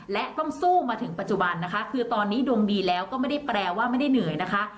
และต้องสู้มาถึงปัจจุบันนะคะคือตอนนี้ดวงดีแล้วก็ไม่ได้แปลว่าไม่ได้เหนื่อยนะคะ